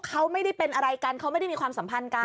เขาไม่ได้เป็นอะไรกันเขาไม่ได้มีความสัมพันธ์กัน